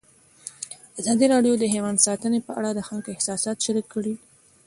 ازادي راډیو د حیوان ساتنه په اړه د خلکو احساسات شریک کړي.